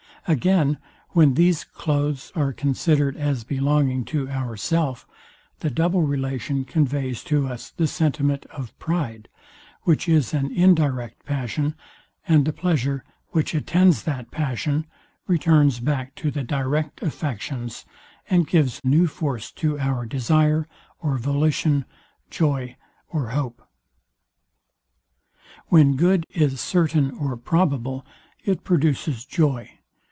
Again, when these cloaths are considered as belonging to ourself, the double relation conveys to us the sentiment of pride, which is an indirect passion; and the pleasure, which attends that passion, returns back to the direct affections, and gives new force to our desire or volition, joy or hope. When good is certain or probable, it produces joy.